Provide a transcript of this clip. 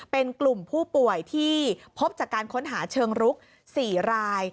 เป็นกลุ่มผู้ป่วยที่พบจากการค้นหาเชิงรุก๔ราย